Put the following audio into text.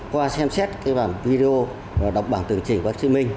qua xem xét video và đọc bảng tường trình bác sĩ minh